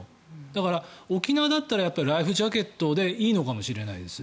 だから沖縄だったらライフジャケットでいいのかもしれないです。